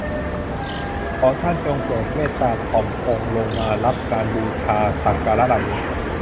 ขอท่านจงโปรดเมตตาถ่อมองค์ลงมารับการบูชาสักการะเหล่านี้